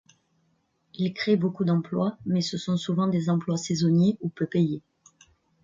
Il crée beaucoup d'emplois, mais ce sont souvent des emplois saisonniers ou peu payés.